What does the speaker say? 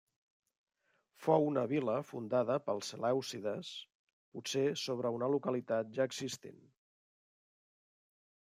Fou una vila fundada pels selèucides, potser sobre una localitat ja existent.